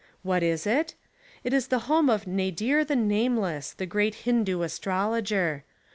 What is It? It is the home of Nadir the Nameless, the great Hindoo astrologer.